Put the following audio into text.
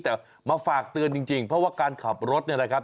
แต่มาฝากเตือนจริงเพราะว่าการขับรถเนี่ยนะครับ